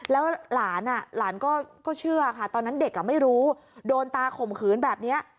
แล้วหลานหลานก็เชื่อค่ะตอนนั้นเด็กไม่รู้โดนตาข่มขืนแบบนี้